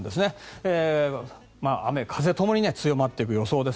雨、風ともに強まってくる予想です。